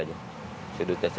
ini untuk apa